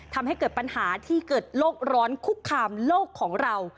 ทำให้เกิดปัญหาที่เกิดโรคร้อนคุกคามโลกของเรา